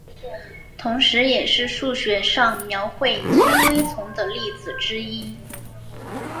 同时也是数学上描绘纤维丛的例子之一。